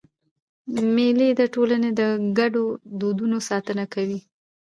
مېلې د ټولني د ګډو دودونو ساتنه کوي.